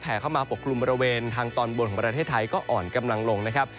เข้ามาปกกลุ่มบริเวณทางตอนบนของประเทศไทยก็อ่อนกำลังลงนะครับ